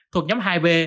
thuộc nhóm hai b